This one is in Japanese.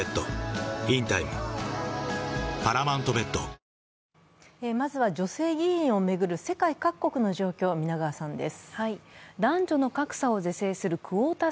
そしてまずは女性議員を巡る世界各国の状況です。